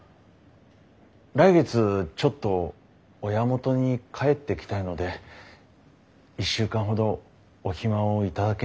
来月ちょっと親元に帰ってきたいので１週間ほどお暇を頂けないでしょうか。